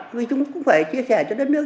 vì chúng cũng phải chia sẻ cho đất nước